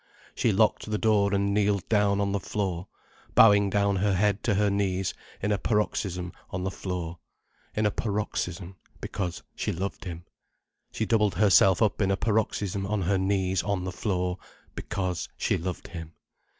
She locked the door and kneeled down on the floor, bowing down her head to her knees in a paroxysm on the floor. In a paroxysm—because she loved him. She doubled herself up in a paroxysm on her knees on the floor—because she loved him.